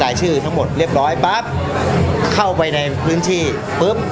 รายชื่อทั้งหมดเรียบร้อยปั๊บเข้าไปในพื้นที่ปุ๊บ